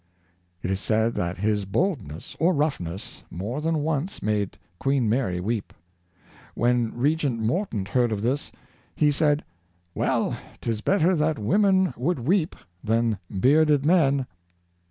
It is said that his boldness, or roughness, more than once made Queen Mary weep. When Regent Morton heard of this,, he said, " Well, 'tis better that women should weep than bearded men."